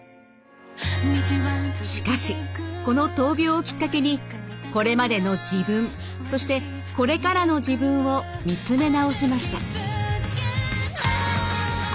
しかしこの闘病をきっかけにこれまでの自分そしてこれからの自分を見つめ直しました。